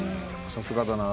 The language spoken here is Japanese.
さすがだな。